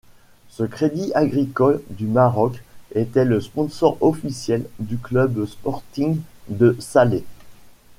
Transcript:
Le Crédit agricole du Maroc était le sponsor officiel du club Sporting de Salé.